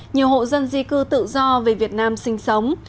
nhiều hộ dân di cư tự do về việt nam sinh sống